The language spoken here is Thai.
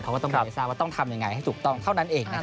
เขาก็ต้องเรียนให้ทราบว่าต้องทำยังไงให้ถูกต้องเท่านั้นเอง